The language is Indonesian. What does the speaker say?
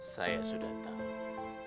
saya sudah tahu